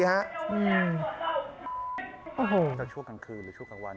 โอ้โหจะช่วงกลางคืนหรือช่วงกลางวัน